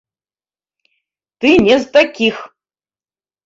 Ты не з такіх!